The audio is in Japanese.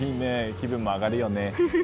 気分も上がるよね。